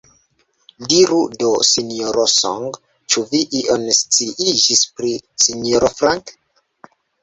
Diru do, Sinjoro Song, ĉu vi ion sciiĝis pri Sinjoro Frank?